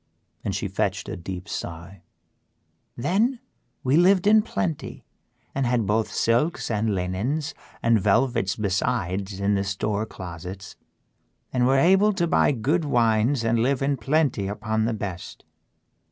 And she fetched a deep sigh. "Then we lived in plenty and had both silks and linens and velvets besides in the store closets and were able to buy good wines and live in plenty upon the best.